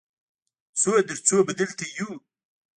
څو تر څو به دلته یو؟